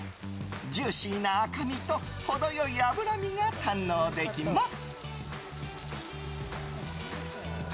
ジューシーな赤身と程良い脂身が堪能できます。